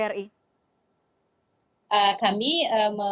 kami menyediakan tempat